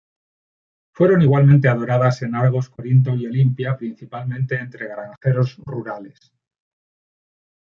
Fueron igualmente adoradas en Argos, Corinto y Olimpia, principalmente entre granjeros rurales.